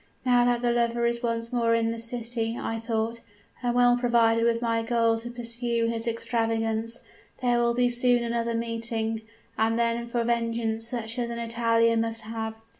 Now that the lover is once more in this city, I thought, and well provided with my gold to pursue his extravagance, there will soon be another meeting and then for vengeance such as an Italian must have.